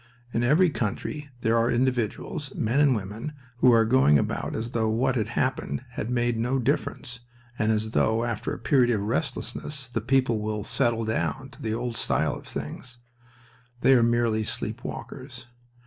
In every country there are individuals, men and women, who are going about as though what had happened had made no difference, and as though, after a period of restlessness, the people will "settle down" to the old style of things. They are merely sleep walkers.